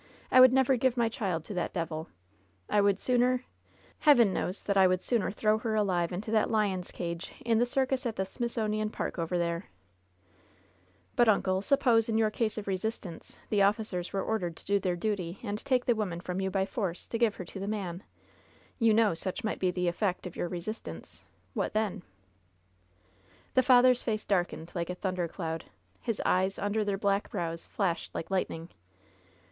I would never give my child to that devil I I would sooner — Heaven knows that I would sooner throw her alive into that lion's cage in the circus at the Smithsonian Park over there 1" "But, uncle, suppose, in case of your resistance, the oflSicers were ordered to do their duty and take the woman from you by force, to give her to the man. You 104 LOVE'S BITTEREST CUP know such might be the effect of your resistance. What then?" The father's face darkened like a thundercloud. His eyes, under their black brows, flashed like lightning.